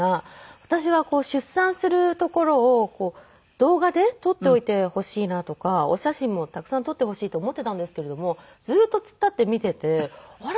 私は出産するところを動画で撮っておいてほしいなとかお写真もたくさん撮ってほしいと思っていたんですけれどもずーっと突っ立って見ていてあれ？